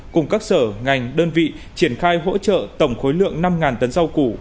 cùng các sở ngành đơn vị triển khai hỗ trợ tổng khối lượng năm tấn rau củ